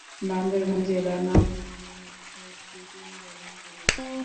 বান্দরবান জেলার নামকরণ নিয়ে একটি কিংবদন্তি রয়েছে।